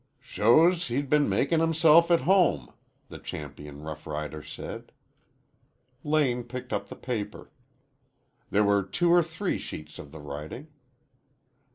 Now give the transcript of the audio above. "Shows he'd been makin' himself at home," the champion rough rider said. Lane picked up the paper. There were two or three sheets of the writing.